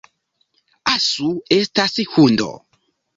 Asu estas hundo